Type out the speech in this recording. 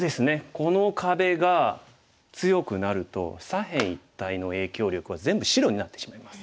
この壁が強くなると左辺一帯の影響力は全部白になってしまいます。